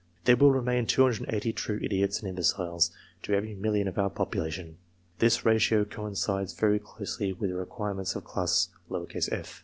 There will remain 280 true idiots and imbeciles, to every million of our population. This ratio coincides very closely with the requirements of class f.